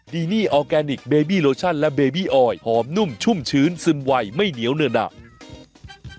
เดี๋ยวไปพักให้จัดเห็นพอกันแป๊บนึงค่ะคุณผู้ชมเดี๋ยวกลับมา